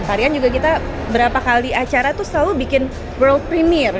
tarian juga kita berapa kali acara itu selalu bikin world premier